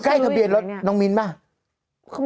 ใกล้ทะเบียนแล้วน้องมิ้นไหม